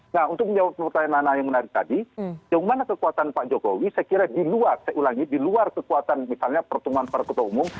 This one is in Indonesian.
nah untuk menjawab pertanyaan nana yang menarik tadi yang mana kekuatan pak jokowi saya kira di luar saya ulangi di luar kekuatan misalnya pertemuan para ketua umum